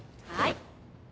はい。